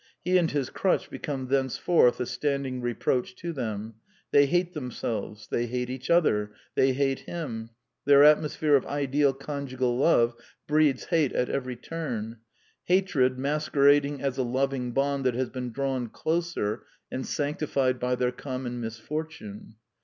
He and his crutch become thenceforth a standing reproach to them. They hate them selves ; they hate each other ; they hate him ; their atmosphere of ideal conjugal love breeds hate at every turn : hatred masquerading as a loving bond that has been drawn closer and sanctified by their common misfortune.